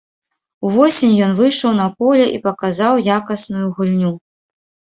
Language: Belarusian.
Увосень ён выйшаў на поле і паказаў якасную гульню.